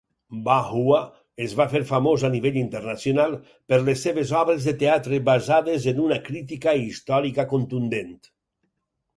Bai Hua es va fer famós a nivell nacional per les seves obres de teatre basades en una crítica històrica contundent.